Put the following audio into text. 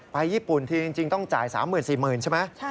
ญี่ปุ่นทีจริงต้องจ่าย๓๔๐๐๐ใช่ไหม